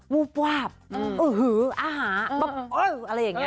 วูบวาบอื้อหืออาหารอะไรอย่างนี้